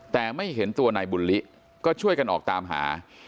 แต่ไม่เห็นตัวนายบุญลิก็ช่วยกันออกตามหา